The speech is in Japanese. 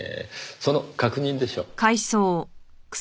その確認でしょう。